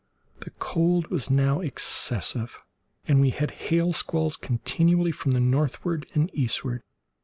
The cold was now excessive, and we had hail squalls continually from the northward and eastward.